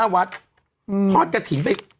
๑๔๘๕วัดทอดกระถิ่งไป